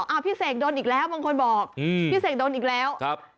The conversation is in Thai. พี่เสกโดนอีกแล้วบางคนบอกพี่เสกโดนอีกแล้วครับ